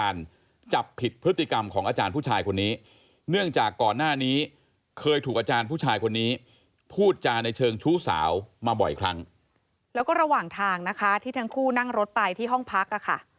แล้วก็ระหว่างทางนะคะที่ทั้งคู่นั่งรถไปที่ห้องพัก